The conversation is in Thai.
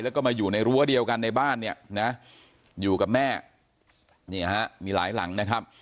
แล้วก็มาอยู่ในรั้วเดียวกันในบ้านเนี่ยนะอยู่กับแม่นี่ฮะมีหลายหลังนะครับ